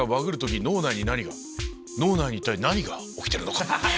脳内に一体何が起きてるのか？